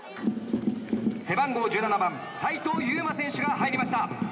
背番号１７番、齊藤夕眞選手が入りました。